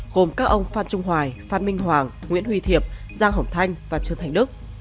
gồm các ông phan trung hoài phan minh hoàng nguyễn huy thiệp giang hồng thanh và trương thành đức